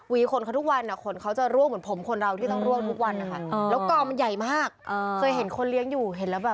ฟันนี้ขนเค้าเยอะนะต้องมาวีฝนเค้า